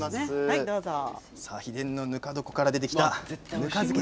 秘伝のぬか床から出てきたぬか漬け。